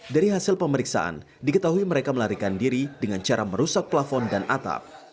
dari hasil pemeriksaan diketahui mereka melarikan diri dengan cara merusak plafon dan atap